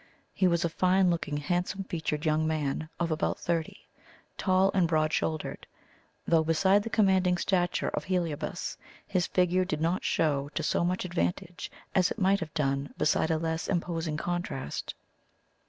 He was a fine looking, handsome featured young man, of about thirty, tall and broad shouldered, though beside the commanding stature of Heliobas, his figure did not show to so much advantage as it might have done beside a less imposing contrast.